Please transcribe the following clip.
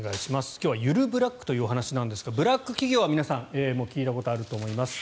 今日はゆるブラックというお話なんですがブラック企業は皆さん聞いたことあると思います。